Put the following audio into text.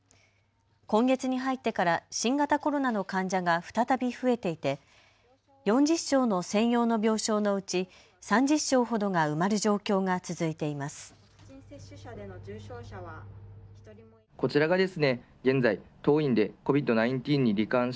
今月に入ってから新型コロナの患者が再び増えていて４０床の専用の病床のうち３０床ほどが埋まる状況が続いています。